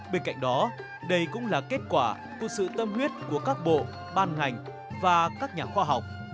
bên cạnh đó đây cũng là kết quả của sự tâm huyết của các bộ ban ngành và các nhà khoa học